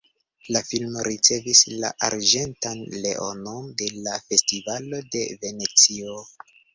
La filmo ricevis la arĝentan leonon de la festivalo de Venecio.